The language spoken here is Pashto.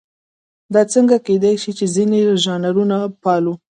دا څنګه کېدای شي چې ځینې ژانرونه پالو.